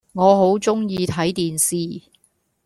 我好鍾意睇電視